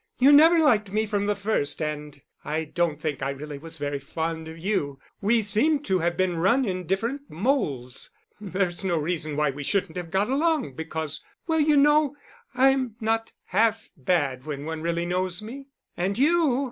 You never liked me from the first, and I don't think I really was very fond of you. We seemed to have been run in different moulds. There's no reason why we shouldn't have got along because—well, you know I'm not half bad when one really knows me; and you!